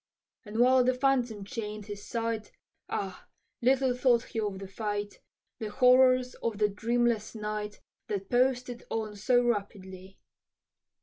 And while the phantom chain'd his sight, Ah! little thought he of the fight The horrors of the dreamless night, That posted on so rapidly.